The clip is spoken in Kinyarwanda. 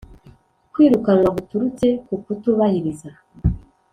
Kwirukanwa guturutse kukutubahiriza